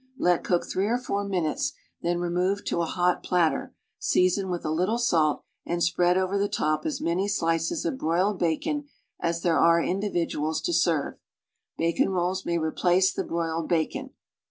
Let cook three or four min utes, then remove to a hot platter, season with a little salt, and spread over the top as many slices of broiled bacon as there are individuals to serve. Bacon rolls may replace the broiled bacon.